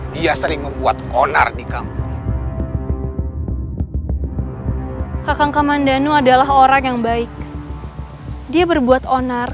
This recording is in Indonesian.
dia sering membuat onar di kampung kakak mandanu adalah orang yang baik dia berbuat onar